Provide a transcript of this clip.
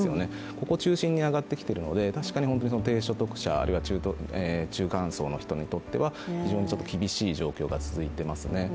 ここ中心に上がってきているので、確かに低所得者あるいは中間層の人にとっては非常に厳しい状況が続いていますね。